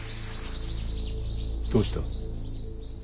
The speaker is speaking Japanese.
どうした？